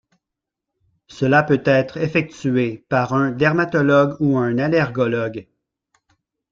Cela peut être effectué par un dermatologue ou un allergologue.